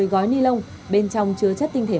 một mươi gói ni lông bên trong chứa chất tinh thể